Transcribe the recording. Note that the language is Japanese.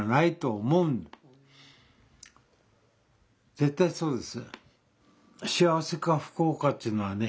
絶対そうです。